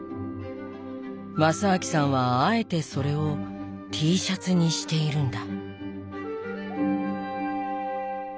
正明さんはあえてそれをＴシャツにしているんだ。